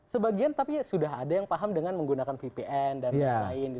sebagian tapi sudah ada yang paham dengan menggunakan vpn dan lain lain